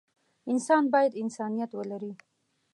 انسان بايد انسانيت ولري.